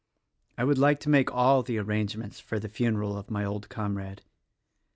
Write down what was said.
I would like to make all the arrangements for the funeral of my old comrade.